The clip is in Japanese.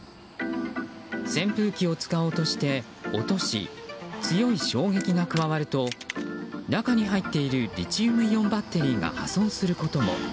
扇風機を使おうとして落とし、強い衝撃が加わると中に入っているリチウムイオンバッテリーが破損することも。